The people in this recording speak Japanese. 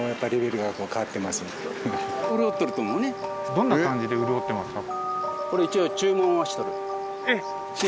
どんな感じで潤ってますか？